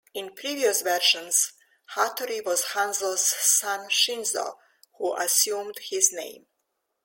In previous versions, Hattori was Hanzo's son Shinzo, who assumed his name.